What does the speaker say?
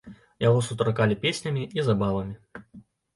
Яго сустракалі песнямі і забавамі.